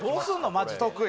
マジで得意